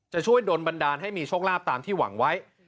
จะช่วยโดนบันดาลให้มีโชคลาภตามที่หวังไว้